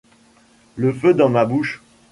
Le feu dans ma bouche.